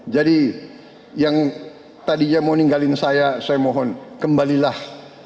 jadi yang tadinya mau ninggalin saya saya mohon kembalilah